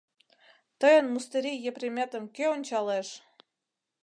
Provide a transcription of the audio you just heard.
— Тыйын мустырий Епреметым кӧ ончалеш.